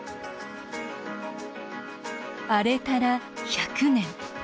あれから、１００年。